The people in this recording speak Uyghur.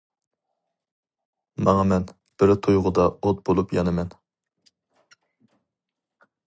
ماڭىمەن... بىر تۇيغۇدا ئوت بولۇپ يانىمەن.